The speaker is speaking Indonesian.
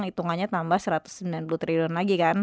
hitungannya tambah satu ratus sembilan puluh triliun lagi kan